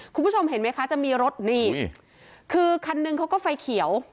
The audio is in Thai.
คุณผู้ชมเห็นไหมคะจะมีรถนี่นี่คือคันหนึ่งเขาก็ไฟเขียว